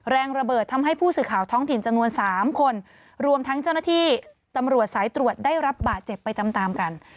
แรงระเบิดทำให้ผู้สื่อข่าวท้องถิ่นจำนวน๓คนรวมทั้งเจ้าหน้าที่ตำรวจสายตรวจได้รับบาดเจ็บไปตามตามกัน